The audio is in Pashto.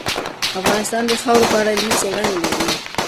افغانستان د خاوره په اړه علمي څېړنې لري.